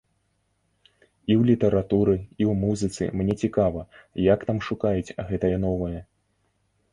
І ў літаратуры, і ў музыцы мне цікава, як там шукаюць гэтае новае.